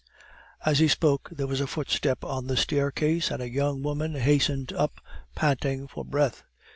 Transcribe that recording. As he spoke there was a footstep on the staircase, and a young woman hastened up, panting for breath.